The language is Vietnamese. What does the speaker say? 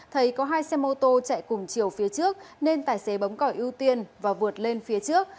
thấy có hai xe mô tô chạy cùng chiều phía trước nên tài xế bóng còi ưu tiên và vượt lên phía trước